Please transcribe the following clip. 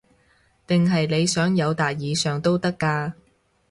定係你想友達以上都得㗎